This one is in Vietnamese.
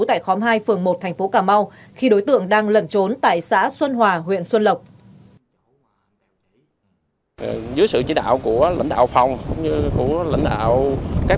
tại khóm hai phường một thành phố cà mau khi đối tượng đang lẩn trốn tại xã xuân hòa huyện xuân lộc